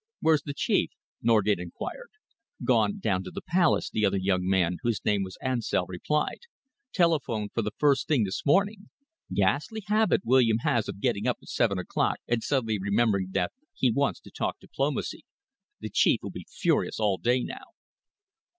"Where's the Chief?" Norgate enquired. "Gone down to the Palace," the other young man, whose name was Ansell, replied; "telephoned for the first thing this morning. Ghastly habit William has of getting up at seven o'clock and suddenly remembering that he wants to talk diplomacy. The Chief will be furious all day now."